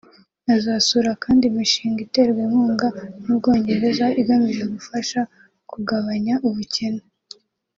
Azasura kandi imishinga iterwa inkunga n’u Bwongereza igamije gufasha kugabanya ubukene